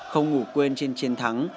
không ngủ quên trên chiến thắng